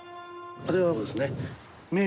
あれはですね。